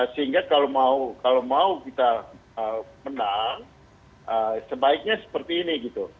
sehingga kalau mau kita menang sebaiknya seperti ini gitu